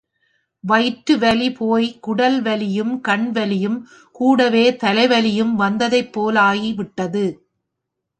வயிற்றுவலி போய் குடல்வலியும் கண்வலியும் கூடவே தலைவலியும் வந்ததைப்போலாய் விட்டது.